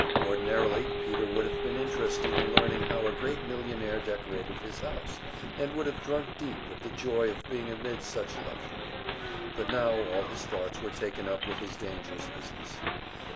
Ordinarily Peter would have been interested in learning how a great millionaire decorated his house, and would have drunk deep of the joy of being amid such luxury. But now all his thoughts were taken up with his dangerous business.